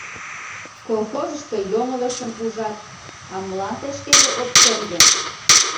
Колхозышто йоҥылышым ужат, а молан тый шкеже от терге?